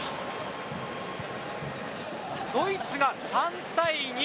ドイツが３対２。